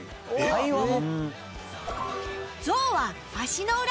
会話も！？